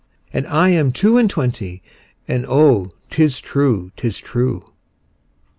'And I am two and twenty, And oh, 'tis true, 'tis true.